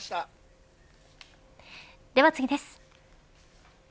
では次です。